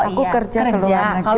aku kerja ke luar